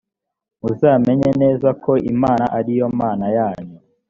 muzamenya neza ko imana ariyo mana yanyu